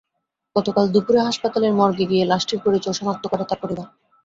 গতকাল দুপুরে হাসপাতালের মর্গে গিয়ে লাশটির পরিচয় শনাক্ত করে তাঁর পরিবার।